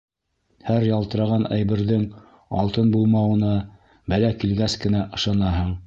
Һәр ялтыраған әйберҙең алтын булмауына бәлә килгәс кенә ышанаһың.